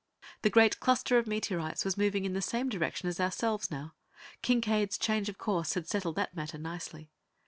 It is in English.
The great cluster of meteorites was moving in the same direction as ourselves now; Kincaide's change of course had settled that matter nicely.